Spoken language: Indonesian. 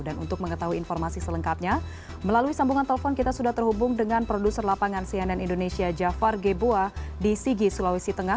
dan untuk mengetahui informasi selengkapnya melalui sambungan telpon kita sudah terhubung dengan produser lapangan cnn indonesia jafar geboa di sigi sulawesi tengah